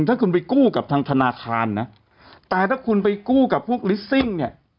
ถ้าคุณไปกู้กับทางธนาคารนะแต่ถ้าคุณไปกู้กับพวกลิสซิ่งเนี่ย